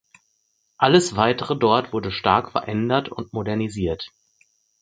Alles Weitere dort wurde stark verändert und modernisiert.